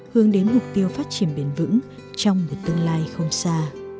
hướng đến mục tiêu phát triển bền vững trong một tương lai không xa